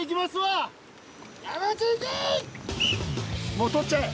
もう獲っちゃえ。